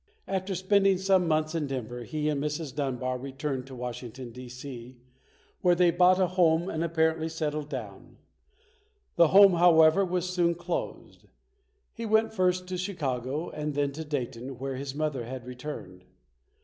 After spending some months in Denver, he and Mrs. Dunbar returned to Washington, D. C., 58 ] UNSUNG HEROES where they bought a home and apparently settled down. The home, however, was soon closed. He went first to Chicago and then to Dayton, where his mother had returned.